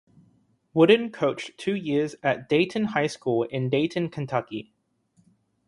Wooden coached two years at Dayton High School in Dayton, Kentucky.